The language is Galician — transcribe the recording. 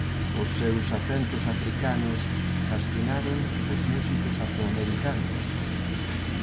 Os seus acentos africanos fascinaron os músicos afroamericanos.